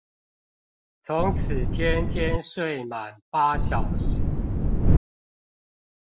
從此天天睡滿八小時